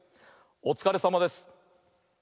おつかれさまです。